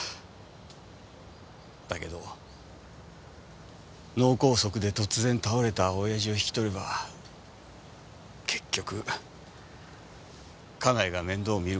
だけど脳梗塞で突然倒れた親父を引き取れば結局家内が面倒をみる事になる。